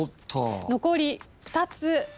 残り２つ。